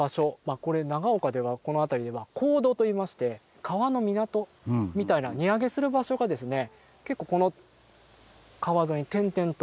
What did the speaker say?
これ長岡ではこの辺りでは「河渡」といいまして川の港みたいな荷揚げする場所がですね結構この川沿いに点々と。